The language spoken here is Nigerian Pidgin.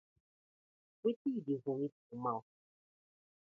Wetin yu dey vomit for mouth.